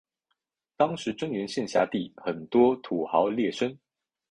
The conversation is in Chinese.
当时真源县辖地很多土豪劣绅。